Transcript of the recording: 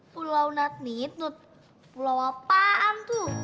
pulau natnitnut pulau apaan tuh